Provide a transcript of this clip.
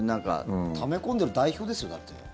ため込んでる代表ですよ